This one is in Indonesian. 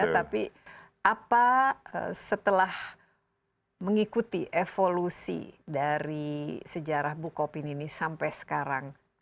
tapi apa setelah mengikuti evolusi dari sejarah bukopin ini sampai sekarang